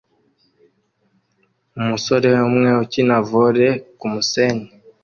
Umusore umwe ukina volley kumusenyi